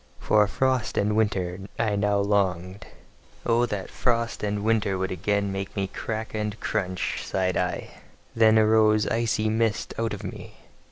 For frost and winter I now longed: "Oh, that frost and winter would again make me crack and crunch!" sighed I: then arose icy mist out of me.